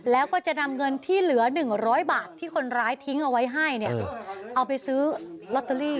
แล้วก็จะนำเงินที่เหลือ๑๐๐บาทที่คนร้ายทิ้งเอาไว้ให้เนี่ยเอาไปซื้อลอตเตอรี่